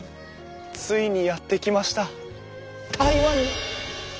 ついにやって来ました台湾に！